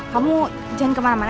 kamu jangan kemana mana